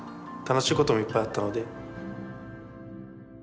楽しいこともいっぱいあったので。